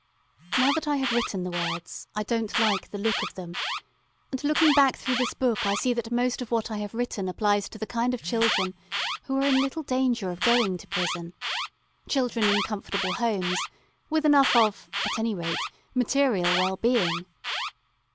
Now that I have written the words I don't like the look of them; and looking back through this book, I see that most of what I have written applies to the kind of children who are in little danger of going to prison, children in comfortable homes, with enough of, at any rate, material well being.